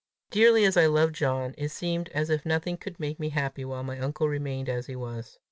Dearly as I loved John, it seemed as if nothing could make me happy while my uncle remained as he was.